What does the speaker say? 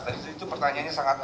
tadi itu pertanyaannya sangat